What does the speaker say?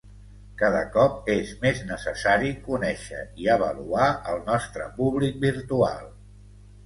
Cada cop és més necessari conèixer i avaluar el nostre públic virtual.